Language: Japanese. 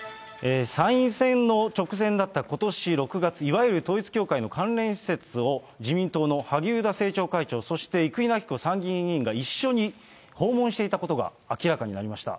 参院選の直前だったことし６月、いわゆる統一教会の関連施設を、自民党の萩生田政調会長、そして生稲晃子参議院議員が、一緒に訪問していたことが明らかになりました。